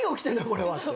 これはって？